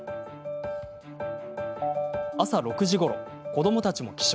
朝６時ごろ、子どもたちも起床。